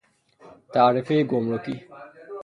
تعرفۀ گمرکی